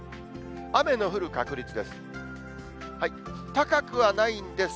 雨の降る確率です。